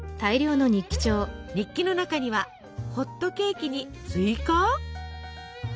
日記の中にはホットケーキにスイカ？